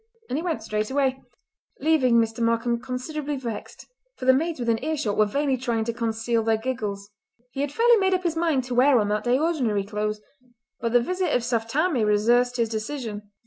And he went straightway, leaving Mr. Markam considerably vexed, for the maids within earshot were vainly trying to conceal their giggles. He had fairly made up his mind to wear on that day ordinary clothes, but the visit of Saft Tammie reversed his decision.